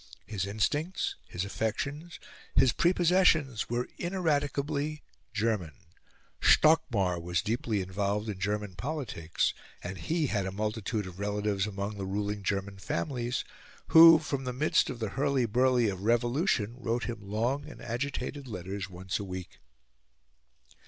His instincts, his affections, his prepossessions, were ineradicably German; Stockmar was deeply involved in German politics; and he had a multitude of relatives among the ruling German families, who, from the midst of the hurly burly of revolution, wrote him long and agitated letters once a week.